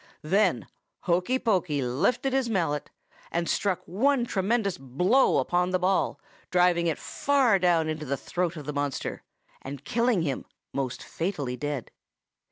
"Then Hokey Pokey lifted his mallet and struck one tremendous blow upon the ball, driving it far down the throat of the monster, and killing him most fatally dead.